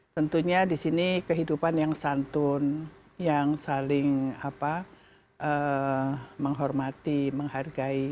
tentunya di sini kehidupan yang santun yang saling menghormati menghargai